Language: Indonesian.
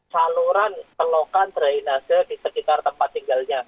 saluran selokan drainase di sekitar tempat tinggalnya